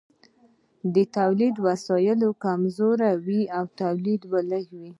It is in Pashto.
د تولید وسایل کمزوري وو او تولید لږ و.